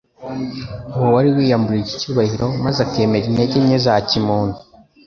Uwo wari wiyambuye icyubahiro maze akemera intege nke za kimuntu,